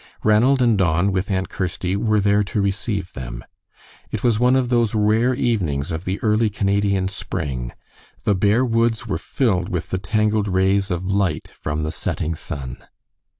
Ranald and Don, with Aunt Kirsty, were there to receive them. It was one of those rare evenings of the early Canadian spring. The bare woods were filled with the tangled rays of light from the setting sun.